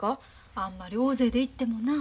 あんまり大勢で行ってもなあ。